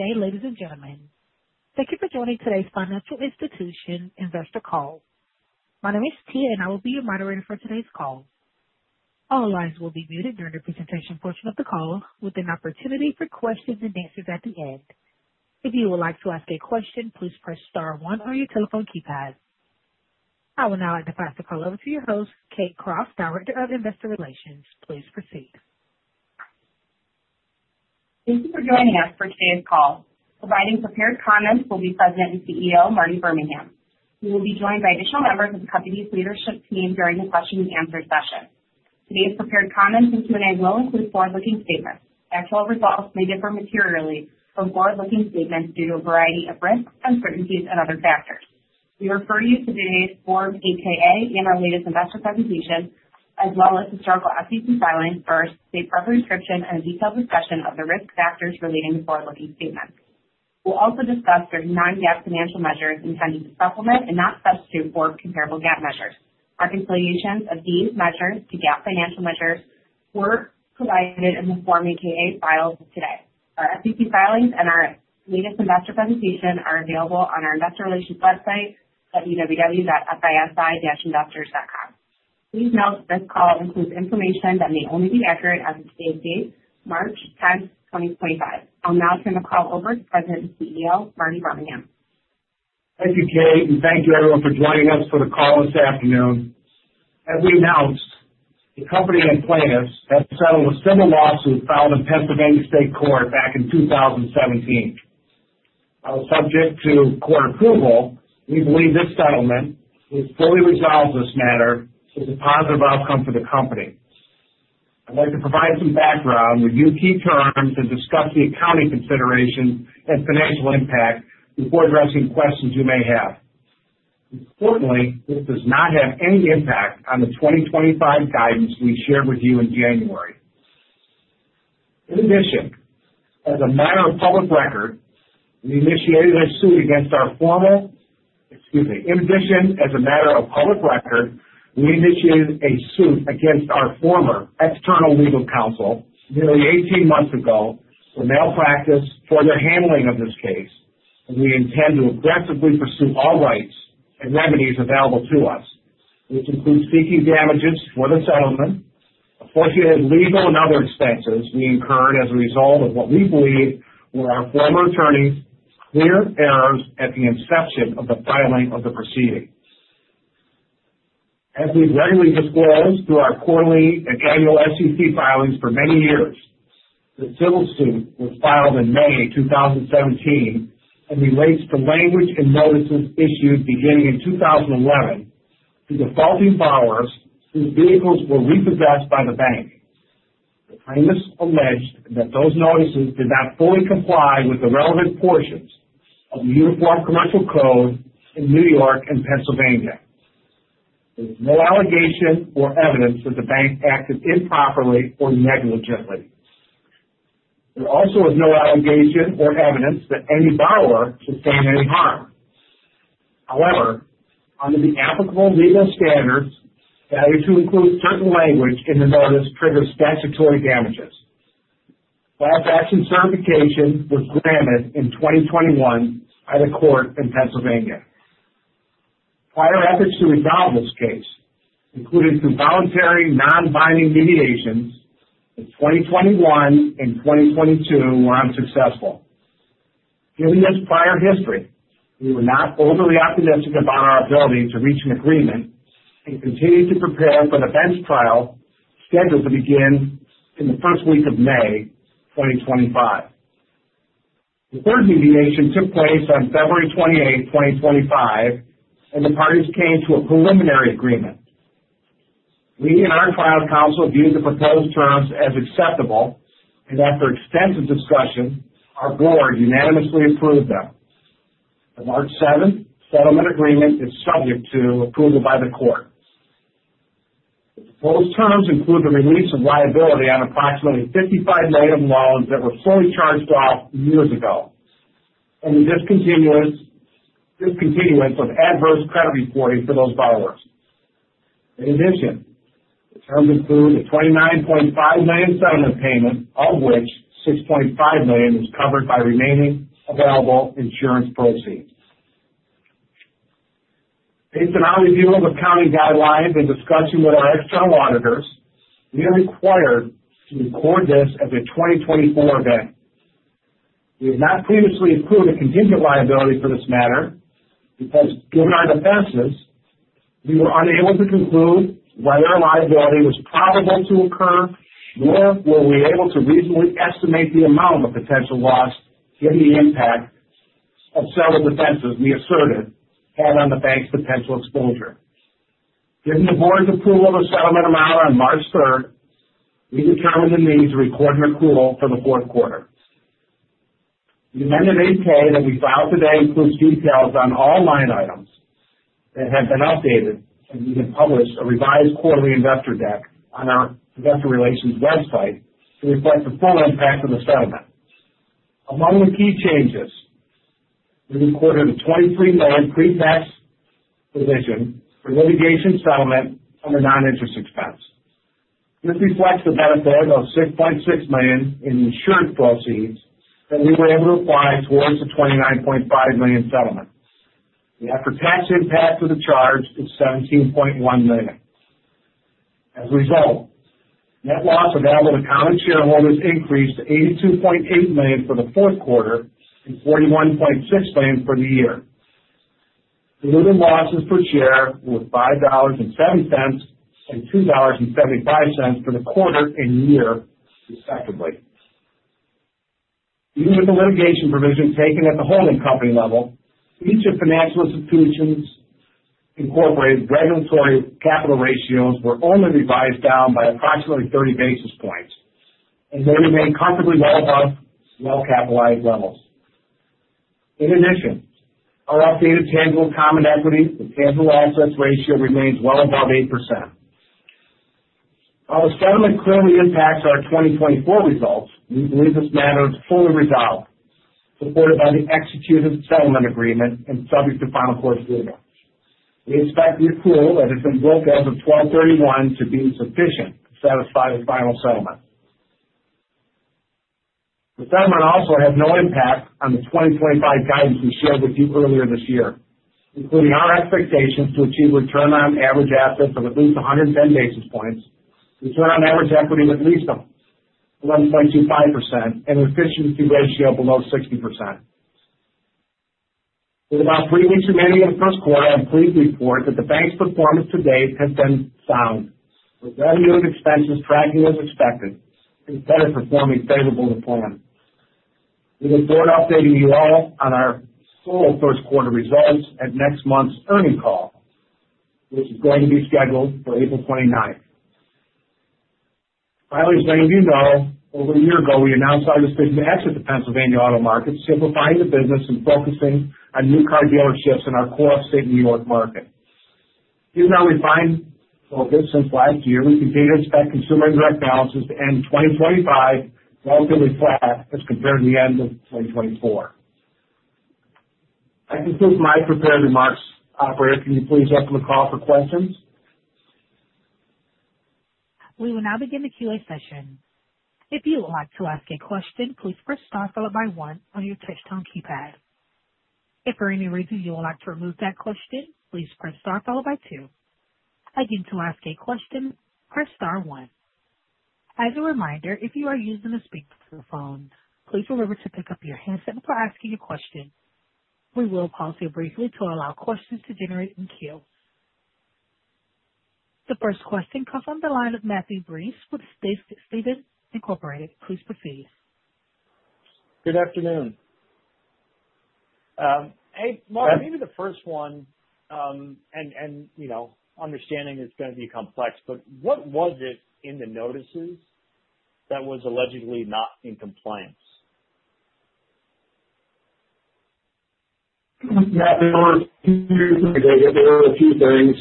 Good day, ladies and gentlemen. Thank you for joining today's Financial Institutions investor call. My name is Tia, and I will be your moderator for today's call. All lines will be muted during the presentation portion of the call, with an opportunity for questions and answers at the end. If you would like to ask a question, please press star one on your telephone keypad. I will now identify and pass the call over to your host, Kate Croft, Director of Investor Relations. Please proceed. Thank you for joining us for today's call. Providing prepared comments will be President and CEO, Martin K. Birmingham. He will be joined by additional members of the company's leadership team during the question-and-answer session. Today's prepared comments and Q&A will include forward-looking statements. Actual results may differ materially from forward-looking statements due to a variety of risks, uncertainties, and other factors. We refer you to today's board, 8-K, and our latest investor presentation, as well as historical SEC filings, for a safe harbor description and a detailed discussion of the risk factors relating to forward-looking statements. We'll also discuss their non-GAAP financial measures intended to supplement and not substitute for comparable GAAP measures. Our reconciliations of these measures to GAAP financial measures were provided in the form 8-K filed today. Our SEC filings and our latest investor presentation are available on our investor relations website at www.fisi-investors.com. Please note this call includes information that may only be accurate as of today's date, March 10th, 2025. I'll now turn the call over to President and CEO, Martin K. Birmingham. Thank you, Kate, and thank you everyone for joining us for the call this afternoon. As we announced, the company and plaintiffs have settled a civil lawsuit filed in Pennsylvania State Court back in 2017. Subject to court approval, we believe this settlement will fully resolve this matter with a positive outcome for the company. I'd like to provide some background with you, key terms, and discuss the accounting considerations and financial impact before addressing questions you may have. Importantly, this does not have any impact on the 2025 guidance we shared with you in January. In addition, as a matter of public record, we initiated a suit against our former external legal counsel nearly 18 months ago for malpractice for their handling of this case. We intend to aggressively pursue all rights and remedies available to us, which include seeking damages for the settlement, appropriate legal, and other expenses we incurred as a result of what we believe were our former attorney's clear errors at the inception of the filing of the proceeding. As we've regularly disclosed through our quarterly and annual SEC filings for many years, the civil suit was filed in May 2017 and relates to language in notices issued beginning in 2011 to defaulting borrowers whose vehicles were repossessed by the bank. The plaintiffs alleged that those notices did not fully comply with the relevant portions of the Uniform Commercial Code in New York and Pennsylvania. There was no allegation or evidence that the bank acted improperly or negligently. There also was no allegation or evidence that any borrower sustained any harm. However, under the applicable legal standards, failure to include certain language in the notice triggers statutory damages. Class action certification was granted in 2021 by the court in Pennsylvania. Prior efforts to resolve this case, including through voluntary non-binding mediations in 2021 and 2022, were unsuccessful. Given this prior history, we were not overly optimistic about our ability to reach an agreement and continued to prepare for the bench trial scheduled to begin in the first week of May 2025. The third mediation took place on February 28, 2025, and the parties came to a preliminary agreement. We and our trial counsel viewed the proposed terms as acceptable, and after extensive discussion, our board unanimously approved them. The March 7 settlement agreement is subject to approval by the court. The proposed terms include the release of liability on approximately 55 million loans that were fully charged off years ago, and the discontinuance of adverse credit reporting for those borrowers. In addition, the terms include a $29.5 million settlement payment, of which $6.5 million is covered by remaining available insurance proceeds. Based on our review of accounting guidelines and discussion with our external auditors, we are required to record this as a 2024 event. We have not previously included contingent liability for this matter because, given our defenses, we were unable to conclude whether liability was probable to occur or were we able to reasonably estimate the amount of potential loss given the impact of several defenses we asserted had on the bank's potential exposure. Given the board's approval of the settlement amount on March 3rd, we determined the need to record an accrual for the fourth quarter. The amended 8-K that we filed today includes details on all line items that have been updated, and we have published a revised quarterly investor deck on our investor relations website to reflect the full impact of the settlement. Among the key changes, we recorded a $23 million pre-tax provision for litigation settlement under non-interest expense. This reflects the benefit of $6.6 million in insured proceeds that we were able to apply towards the $29.5 million settlement. The after-tax impact of the charge is $17.1 million. As a result, net loss available to common shareholders increased to $82.8 million for the fourth quarter and $41.6 million for the year. Diluted losses per share were $5.07 and $2.75 for the quarter and year, respectively. Even with the litigation provision taken at the holding company level, each of Financial Institutions' regulatory capital ratios were only revised down by approximately 30 basis points, and they remain comfortably well above well-capitalized levels. In addition, our updated tangible common equity to tangible assets ratio remains well above 8%. While the settlement clearly impacts our 2024 results, we believe this matter is fully resolved, supported by the executed settlement agreement and subject to final court approval. We expect the accrual that has been booked as of 12/31 to be sufficient to satisfy the final settlement. The settlement also has no impact on the 2025 guidance we shared with you earlier this year, including our expectations to achieve return on average assets of at least 110 basis points, return on average equity of at least 11.25%, and an efficiency ratio below 60%. With about three weeks remaining in the first quarter, I'm pleased to report that the bank's performance to date has been sound, with revenue and expenses tracking as expected, and better performing favorable to plan. We look forward to updating you all on our full first quarter results at next month's earnings call, which is going to be scheduled for April 29th. Finally, as many of you know, over a year ago, we announced our decision to exit the auto market simplifying the business and focusing on new car dealerships in our core upstate New York market. Here's our refined focus since last year. We continue to expect consumer indirect balances to end 2025 relatively flat as compared to the end of 2024. I conclude my prepared remarks. Operator, can you please open the call for questions? We will now begin the Q&A session. If you would like to ask a question, please press star followed by one on your touch-tone keypad. If for any reason you would like to remove that question, please press star followed by two. Again, to ask a question, press star one. As a reminder, if you are using a speakerphone, please remember to pick up your handset before asking a question. We will pause here briefly to allow questions to generate in queue. The first question comes from the line of Matthew Breese with Stephens Inc. Please proceed. Good afternoon. Hey, Marty, maybe the first one, and understanding it's going to be complex, but what was it in the notices that was allegedly not in compliance? Yeah, there were a few things I did. There were a few things.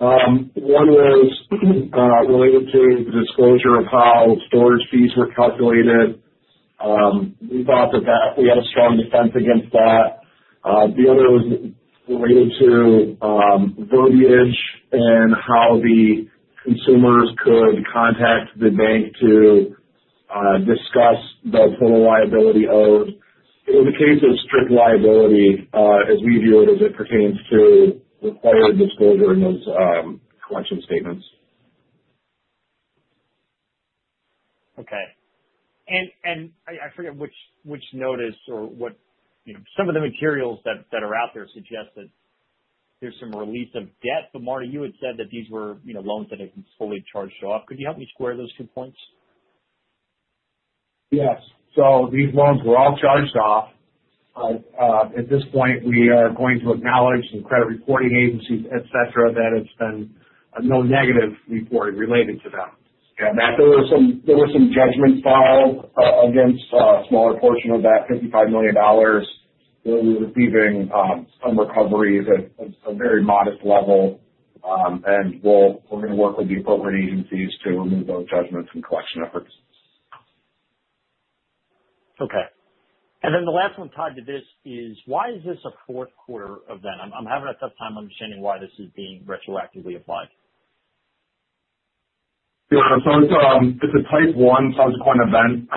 One was related to the disclosure of how storage fees were calculated. We thought that we had a strong defense against that. The other was related to verbiage and how the consumers could contact the bank to discuss the total liability owed. It was a case of strict liability as we view it as it pertains to required disclosure in those collection statements. Okay. I forget which notice or what some of the materials that are out there suggest that there's some release of debt, but Markety, you had said that these were loans that had been fully charged off. Could you help me square those two points? Yes. These loans were all charged off. At this point, we are going to acknowledge to the credit reporting agencies, etc., that there has been no negative reporting related to them. Yeah, Matt, there were some judgments filed against a smaller portion of that $55 million where we were receiving some recovery at a very modest level, and we are going to work with the appropriate agencies to remove those judgments and collection efforts. Okay. The last one tied to this is, why is this a fourth quarter event? I'm having a tough time understanding why this is being retroactively applied. It's a type one subsequent event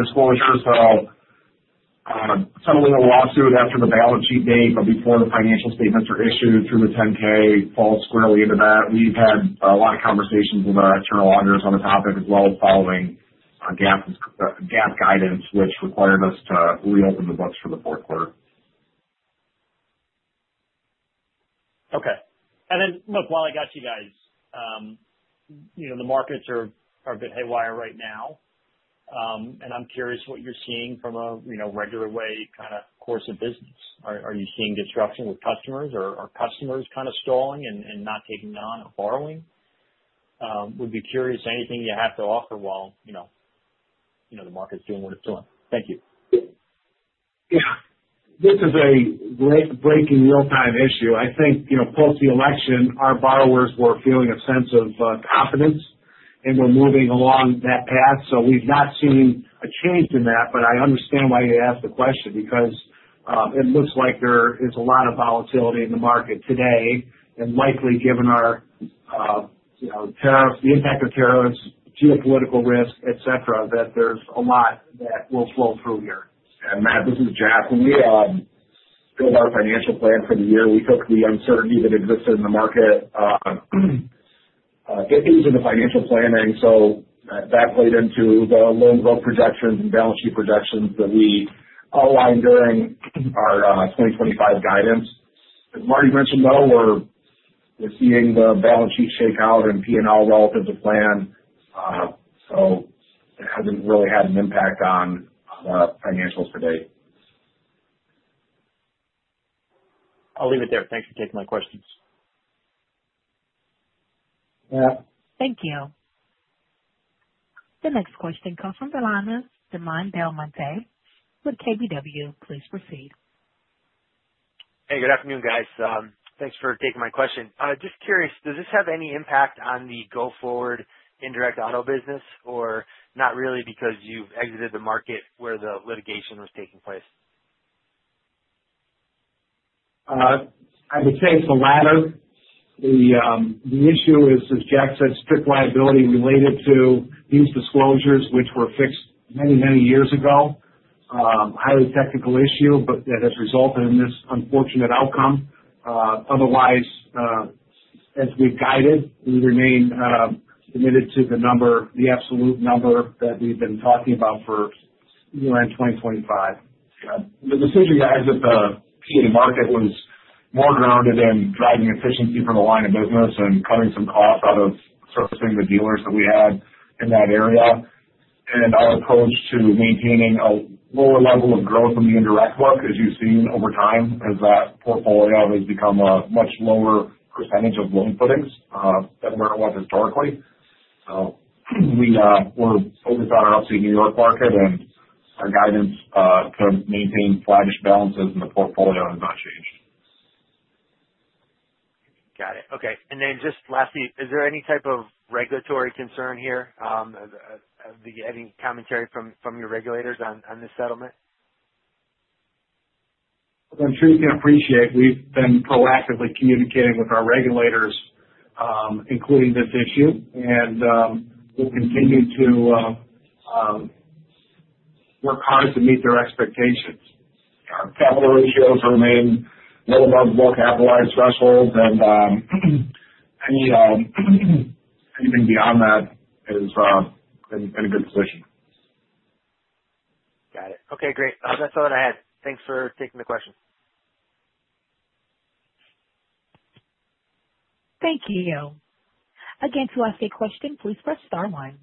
disclosure. Settling a lawsuit after the balance sheet date or before the financial statements are issued through the 10-K falls squarely into that. We've had a lot of conversations with our external auditors on the topic as well as following GAAP guidance, which required us to reopen the books for the fourth quarter. Okay. While I got you guys, the Markets are a bit haywire right now, and I'm curious what you're seeing from a regular way kind of course of business. Are you seeing disruption with customers or are customers kind of stalling and not taking on or borrowing? Would be curious anything you have to offer while the Market's doing what it's doing. Thank you. Yeah. This is a breaking real-time issue. I think post the election, our borrowers were feeling a sense of confidence, and we're moving along that path. We have not seen a change in that, but I understand why you asked the question because it looks like there is a lot of volatility in the Market today and likely given the impact of tariffs, geopolitical risk, etc., that there is a lot that will flow through here. Matt, this is Jack. When we built our financial plan for the year, we took the uncertainty that existed in the Market get things into financial planning. That played into the loan growth projections and balance sheet projections that we outlined during our 2025 guidance. As Markety mentioned, though, we're seeing the balance sheet shake out and P&L relative to plan. It has not really had an impact on the financials today. I'll leave it there. Thanks for taking my questions. Yeah. Thank you. The next question comes from Damon DelMonte. With KBW please proceed? Hey, good afternoon, guys. Thanks for taking my question. Just curious, does this have any impact on the go-forward indirect auto business or not really because you've exited the Market where the litigation was taking place? I would say it's the latter. The issue is, as Jack said, strict liability related to these disclosures, which were fixed many, many years ago. Highly technical issue, but that has resulted in this unfortunate outcome. Otherwise, as we've guided, we remain committed to the absolute number that we've been talking about for year-end 2025. The decision, guys, that the PA market was more grounded in driving efficiency for the line of business and cutting some costs out of servicing the dealers that we had in that area. Our approach to maintaining a lower level of growth in the indirect work, as you've seen over time, is that portfolio has become a much lower percentage of loan footings than where it was historically. We are focused on our Upstate New York market and our guidance to maintain flattish balances in the portfolio has not changed. Got it. Okay. Lastly, is there any type of regulatory concern here? Any commentary from your regulators on this settlement? I truly can appreciate we've been proactively communicating with our regulators, including this issue, and we'll continue to work hard to meet their expectations. Our capital ratios remain well above well-capitalized thresholds, and anything beyond that has been in a good position. Got it. Okay, great. That's all that I had. Thanks for taking the question. Thank you. Again, to ask a question, please press star one.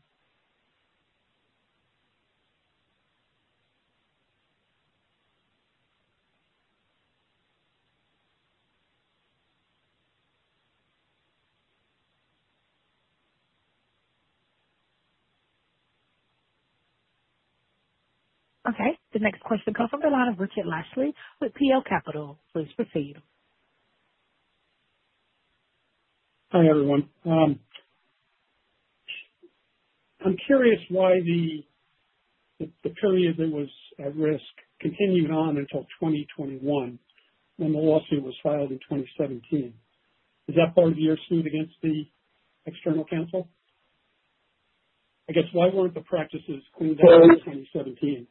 Okay. The next question comes from Richard Lasley with PL Capital. Please proceed. Hi, everyone. I'm curious why the period that was at risk continued on until 2021 when the lawsuit was filed in 2017. Is that part of your suit against the external counsel? I guess, why weren't the practices cleaned up in 2017?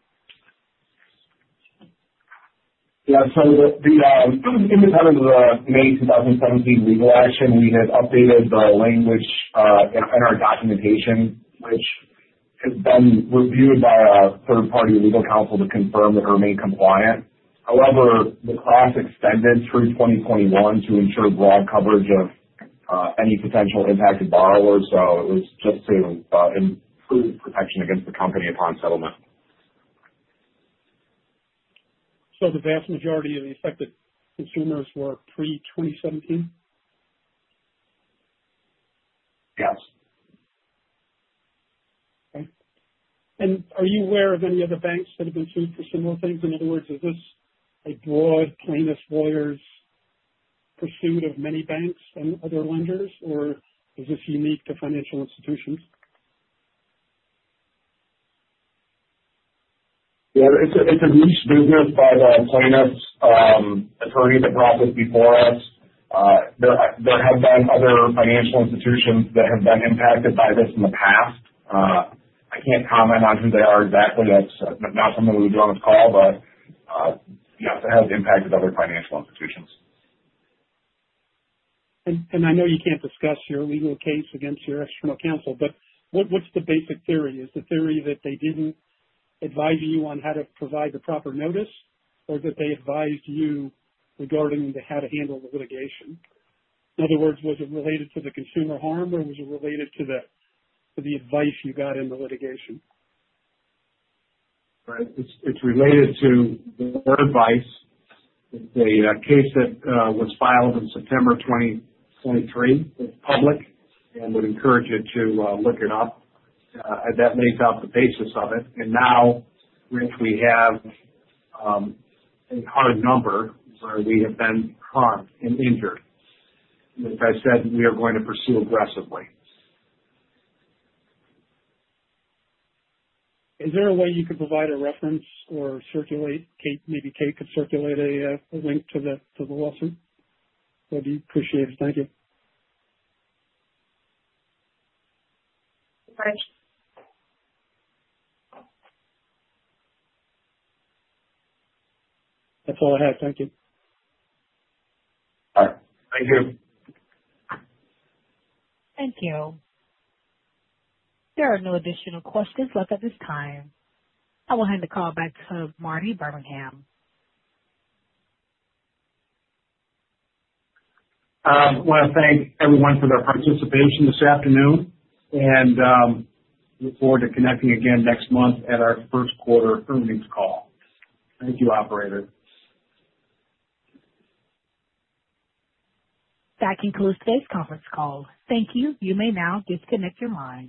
Yeah. Independent of the May 2017 legal action, we had updated the language in our documentation, which has been reviewed by a third-party legal counsel to confirm that we're being compliant. However, the class extended through 2021 to ensure broad coverage of any potential impacted borrowers. It was just to improve protection against the company upon settlement. The vast majority of the affected consumers were pre-2017? Yes. Okay. Are you aware of any other banks that have been sued for similar things? In other words, is this a broad plaintiff lawyer's pursuit of many banks and other lenders, or is this unique to Financial Institutions? Yeah. It's a niche business by the plaintiff's attorney that brought this before us. There have been other financial institutions that have been impacted by this in the past. I can't comment on who they are exactly. That's not something we would do on this call, but yes, it has impacted other financial institutions. I know you can't discuss your legal case against your external counsel, but what's the basic theory? Is the theory that they didn't advise you on how to provide the proper notice, or that they advised you regarding how to handle the litigation? In other words, was it related to the consumer harm, or was it related to the advice you got in the litigation? Right. It's related to their advice. It's a case that was filed in September 2023. It's public, and we'd encourage you to look it up. That lays out the basis of it. Now, Rich, we have a hard number where we have been harmed and injured. As I said, we are going to pursue aggressively. Is there a way you could provide a reference or circulate? Maybe Kate could circulate a link to the lawsuit. That'd be appreciated. Thank you. That's all I have. Thank you. All right. Thank you. Thank you. There are no additional questions left at this time. I will hand the call back to Martin K. Birmingham. I want to thank everyone for their participation this afternoon, and look forward to connecting again next month at our first quarter earnings call. Thank you, Operator. That concludes today's conference call. Thank you. You may now disconnect your line.